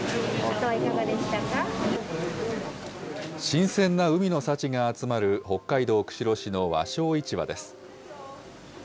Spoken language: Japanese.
新鮮な海の幸が集まる、北海道釧路市の和商市場です。